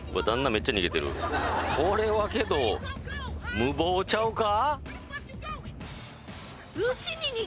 めっちゃ逃げてるこれはけど無謀ちゃうか？